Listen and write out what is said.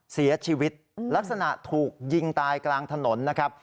เสียชีวิตลักษณะถูกยิงตายกลางถนนนะครับ